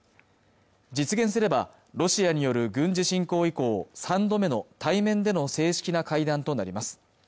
実現すればロシアによる軍事侵攻以降３度目の対面での正式な会談となります